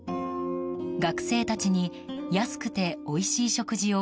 学生たちに安くておいしい食事を